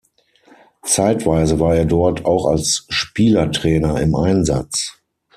Zeitweise war er dort auch als Spielertrainer im Einsatz.